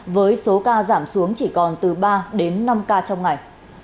với số ca giảm xuống chỉ còn từ ba đến năm ca trong ngày